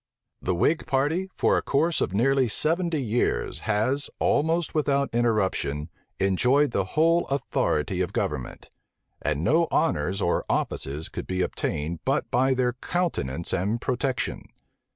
The whig party, for a course of near seventy years, has, almost without interruption, enjoyed the whole authority of government; and no honors or offices could be obtained but by their countenance and protection.